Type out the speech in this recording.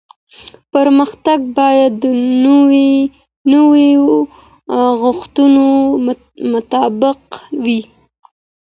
پرمختګ باید د نويو غوښتنو مطابق وي